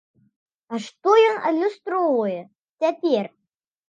А што ён адлюстроўвае цяпер?